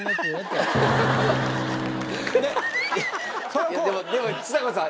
いやでもでもちさ子さん。